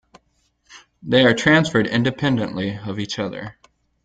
They are transferred independently of each other.